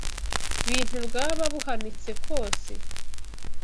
bintu bwaba buhanitse kose,